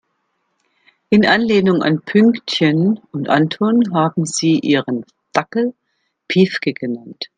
In Anlehnung an Pünktchen und Anton haben sie ihren Dackel Piefke genannt.